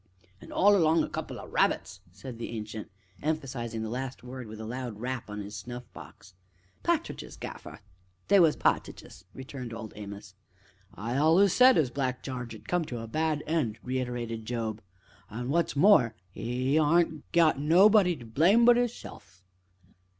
"An' all along o' a couple o' rabbits!" said the Ancient, emphasizing the last word with a loud rap on his snuff box. "Pa'tridges, Gaffer! they was pa'tridges!" returned Old Amos. "I allus said as Black Jarge'd come to a bad end," reiterated Job, "an' what's more 'e aren't got nobody to blame but 'isself!"